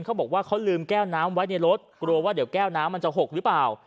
เขาบอกว่าเขาลืมแก้วน้ำไว้ในรถกลัวว่าเดี๋ยวแก้วน้ำมันจะหกหรือเปล่า